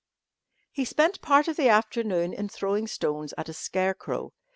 ] He spent part of the afternoon in throwing stones at a scarecrow.